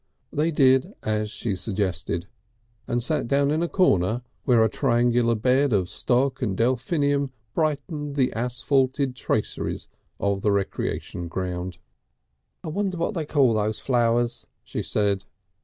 They did as she suggested, and sat down in a corner where a triangular bed of stock and delphinium brightened the asphalted traceries of the Recreation Ground. "I wonder what they call those flowers," she said.